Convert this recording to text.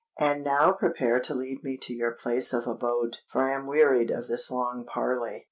And now prepare to lead me to your place of abode—for I am wearied of this long parley."